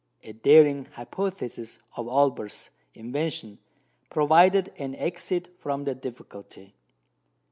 A daring hypothesis of Olbers's invention provided an exit from the difficulty.